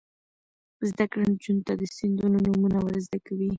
زده کړه نجونو ته د سیندونو نومونه ور زده کوي.